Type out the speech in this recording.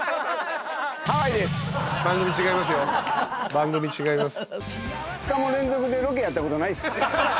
番組違います。